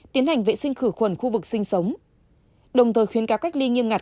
tiến hành vệ sinh khử khuẩn khu vực sinh sống đồng thời khuyến cáo cách ly nghiêm ngặt